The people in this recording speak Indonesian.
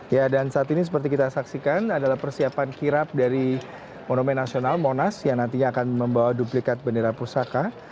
ya dan saat ini seperti kita saksikan adalah persiapan kirap dari monumen nasional monas yang nantinya akan membawa duplikat bendera pusaka